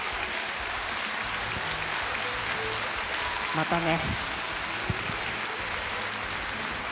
またね。